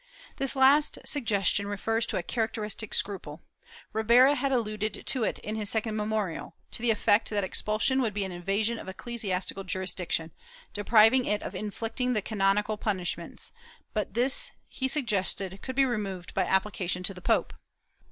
^ This last suggestion refers to a characteristic scruple, Ribera had alluded to it in his second memorial, to the effect that expul sion would be an invasion of ecclesiastical jurisdiction, depriving it of inflicting the canonical punishments, but this, he suggested, could be removed by appfication to the pope.